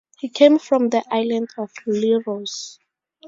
He came from the island of Leros.